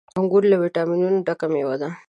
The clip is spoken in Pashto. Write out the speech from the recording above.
• انګور له ويټامينونو ډک مېوه ده.